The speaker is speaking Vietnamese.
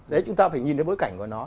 đấy chúng ta phải nhìn đến bối cảnh của nó